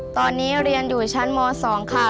ตอนนี้เรียนอยู่ชั้นม๒ค่ะ